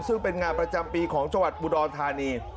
ซึ่งเป็นงานประจำปีของจังหวัดอุดรธานี